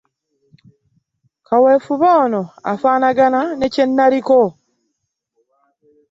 Kaweefube oyo afaanagana ne kye nnaliko.